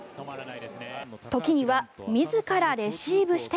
時には、自らレシーブして。